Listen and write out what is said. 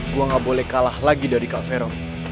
gue gak boleh kalah lagi dari calvera